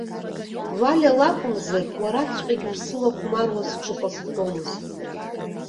Валиа лакәымзар уараҵәҟьагьы усылахәмаруа сҽыҟасҵомызт.